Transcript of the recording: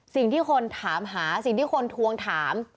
สิ่งที่คนถามหาสิ่งที่คนทวงถาม